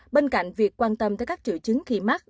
bên cạnh việc quan tâm tới các triệu chứng khi mắc